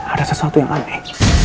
ada sesuatu yang aneh